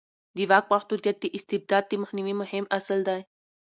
د واک محدودیت د استبداد د مخنیوي مهم اصل دی